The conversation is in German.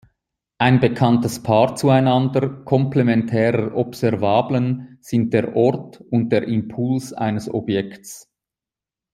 Ein bekanntes Paar zueinander komplementärer Observablen sind der Ort und der Impuls eines Objekts.